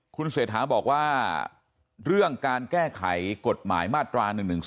คุณเศรษฐาบอกว่าเรื่องการแก้ไขกฎหมายมาตรา๑๑๒